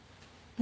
何？